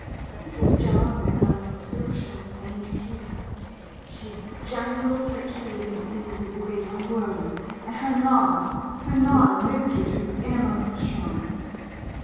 Mrs. 13 MODERN MONOLOGUES Jarvin is our social St. Peter; she jangles her keys in the ears of the great unworthy, and her nod — her nod admits you to the in nermost shrine.